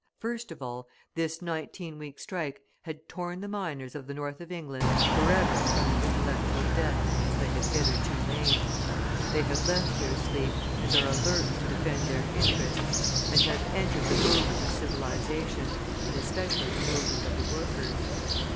First of all, this nineteen weeks' strike had torn the miners of the North of England forever from the intellectual death in which they had hitherto lain; they have left their sleep, are alert to defend their interests, and have entered the movement of civilisation, and especially the movement of the workers.